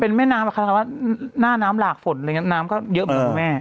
เป็นแม่น้ำแบบว่าหน้าน้ำหลากฝนอะไรอย่างเงี้ยน้ำก็เยอะเหมือนแม่